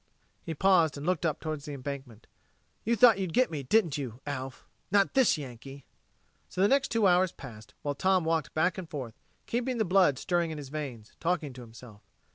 He paused and looked up toward the embankment. "You thought you'd get me, didn't you, Alf? Not this Yankee!" So the next two hours passed, while Tom walked back and forth, keeping the blood stirring in his veins, talking to himself.